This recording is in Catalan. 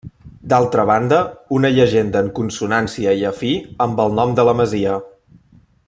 D'altra banda, una llegenda en consonància i afí amb el nom de la masia.